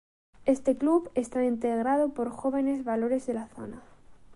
Este club estaba integrado por jóvenes valores de la zona.